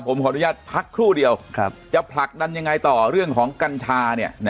ผมขออนุญาตพักครู่เดียวจะผลักดันยังไงต่อเรื่องของกัญชา